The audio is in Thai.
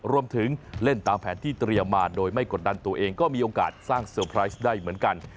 เล่นตามแผนที่เตรียมมาโดยไม่กดดันตัวเองก็มีโอกาสสร้างเซอร์ไพรส์ได้เหมือนกัน